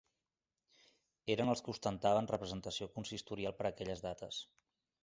Eren els que ostentaven representació consistorial per aquelles dates.